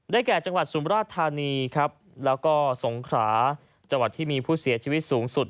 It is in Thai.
แก่จังหวัดสุมราชธานีครับแล้วก็สงขราจังหวัดที่มีผู้เสียชีวิตสูงสุด